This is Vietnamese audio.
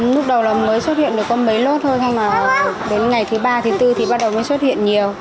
lúc đầu mới xuất hiện được con mấy nốt thôi nhưng đến ngày thứ ba thứ bốn thì bắt đầu xuất hiện nhiều